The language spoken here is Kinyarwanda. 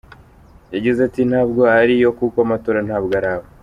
Yagize ati “Ntabwo ari yo kuko amatora ntabwo araba.